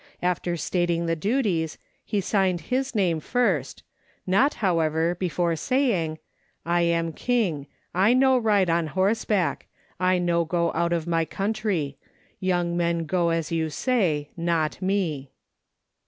After stating the duties, he signed his name first, not, however, before saying, " I am king ; I no ride on horseback ; I no go out of my country ; young men go as you say, not me."